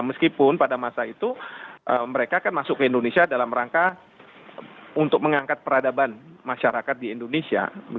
meskipun pada masa itu mereka kan masuk ke indonesia dalam rangka untuk mengangkat peradaban masyarakat di indonesia